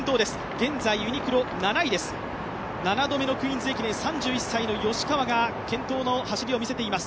現在ユニクロは７位です、７度のクイーンズ駅伝、３１歳の吉川が健闘の走りを見せています。